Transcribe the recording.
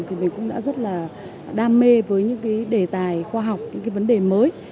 thì mình cũng đã rất là đam mê với những cái đề tài khoa học những cái vấn đề mới